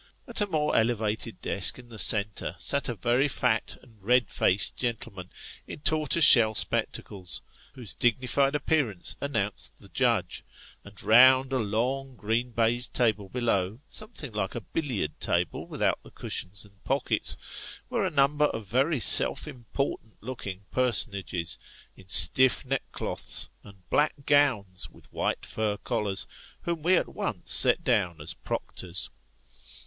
At a more elevated desk in the centre, sat a very fat and red faced gentleman, in tortoise shell spectacles, whose dignified appearance announced the judge; and round a long green baized table below, something like a billiard table without the cushions and pockets, were a number of very self important looking personages, in stiff neckcloths, and black gowns with white fur collars, whom we at once set down as proctors.